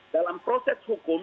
dalam proses hukum